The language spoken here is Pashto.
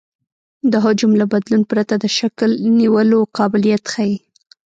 د حجم له بدلون پرته د شکل نیولو قابلیت ښیي